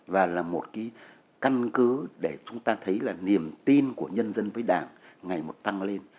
và là một cái căn cứ để chúng ta thấy là niềm tin của nhân dân với đảng ngày một tăng lên